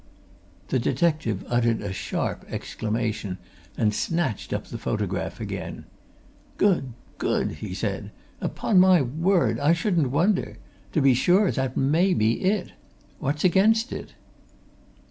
The detective uttered a sharp exclamation and snatched up the photograph again. "Good! Good!" he said. "Upon my word, I shouldn't wonder! To be sure, that may be it. What's against it?"